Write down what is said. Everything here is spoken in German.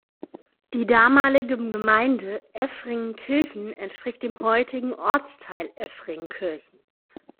Die damalige Gemeinde Efringen-Kirchen entspricht dem heutigen "Ortsteil Efringen-Kirchen".